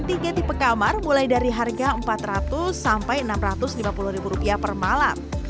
tiga tipe kamar mulai dari harga empat ratus sampai enam ratus lima puluh per malam